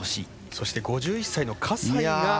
そして、５１歳の葛西が４位。